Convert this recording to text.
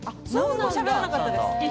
しゃべらなかったです。